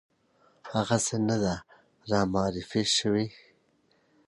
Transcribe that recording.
هغسې نه ده رامعرفي شوې